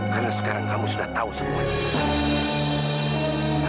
karena sekarang kamu sudah tahu semuanya